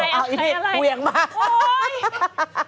นานาไงอะ